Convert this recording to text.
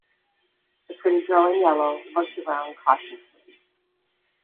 The pretty girl in yellow looked around cautiously.